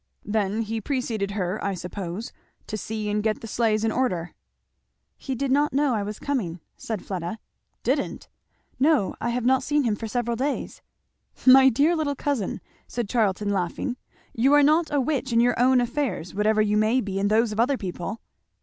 "Then he preceded her, I suppose, to see and get the sleighs in order." "He did not know I was coming," said Fleda. "Didn't!" "No I have not seen him for several days." "My dear little cousin," said Charlton laughing, "you are not a witch in your own affairs, whatever you may be in those of other people."